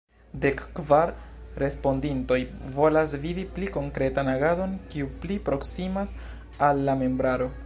Dek kvar respondintoj volas vidi pli konkretan agadon kiu pli proksimas al la membraro.